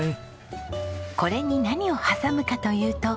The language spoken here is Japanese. これに何を挟むかというと。